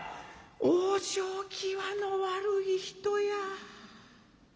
「往生際の悪い人や。